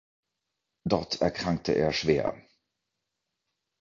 Dort erkrankte er schwer.